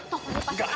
tovan lepaskan aku